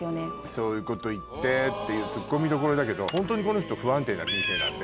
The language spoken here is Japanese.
「そういうこと言って」っていうツッコミどころだけど本当にこの人不安定な人生なんで。